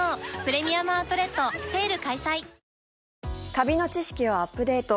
カビの知識をアップデート。